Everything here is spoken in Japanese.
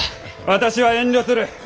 私は遠慮する。